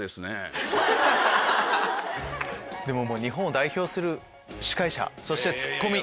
日本を代表する司会者そしてツッコミ。